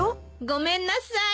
ごめんなさい。